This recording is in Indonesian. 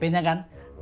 tadinya rencananya sih